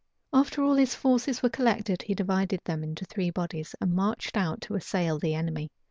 After all his forces were collected, he divided them into three bodies, and marched out to assail the enemy.